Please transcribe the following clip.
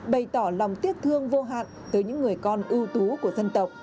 bày tỏ lòng tiếc thương vô hạn tới những người con ưu tú của dân tộc